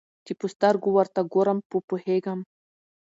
چي په سترګو ورته ګورم په پوهېږم